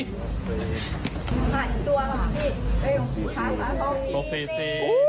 อีกตัวล่ะพี่ขาวบอกนี้